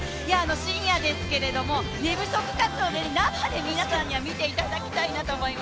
深夜ですけど、寝不足の中でも皆さんには見ていただきたいなと思います。